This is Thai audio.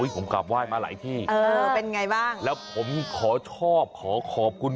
ผมกลับไหว้มาหลายที่เออเป็นไงบ้างแล้วผมขอชอบขอขอบคุณ